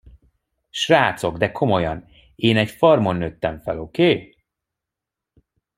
Srácok, de komolyan, én egy farmon nőttem fel, oké?